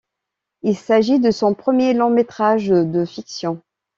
Il s'agit de son premier long métrage de fiction.